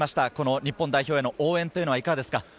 日本代表への応援はいかがですか？